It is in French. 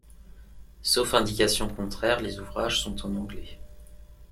Sauf indication contraire, les ouvrages sont en anglais.